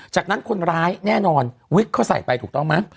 จากนั้นคนร้ายแน่นอนวิกเขาใส่ไปถูกต้องไหม